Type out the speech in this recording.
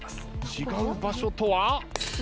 違う場所とは？